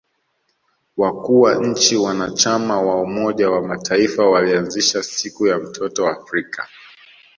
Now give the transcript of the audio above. Wakuu wa nchi wanachama wa umoja wa mataifa walianzisha siku ya mtoto wa Afrika